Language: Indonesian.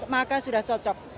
maka sudah cocok